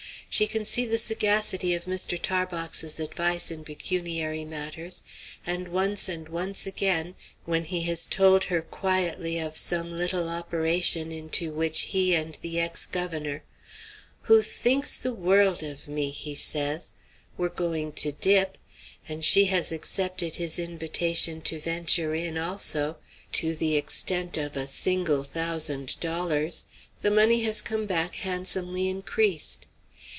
She can see the sagacity of Mr. Tarbox's advice in pecuniary matters, and once and once again, when he has told her quietly of some little operation into which he and the ex governor who "thinks the world of me," he says were going to dip, and she has accepted his invitation to venture in also, to the extent of a single thousand dollars, the money has come back handsomely increased.